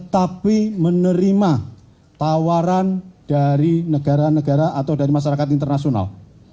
tapi menerima tawaran dari negara negara atau dari masyarakat internasional